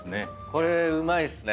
これうまいっすね。